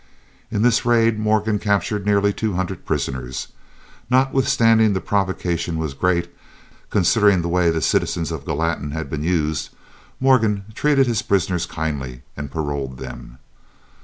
In this raid Morgan captured nearly two hundred prisoners. Notwithstanding the provocation was great, considering the way the citizens of Gallatin had been used, Morgan treated his prisoners kindly and paroled them.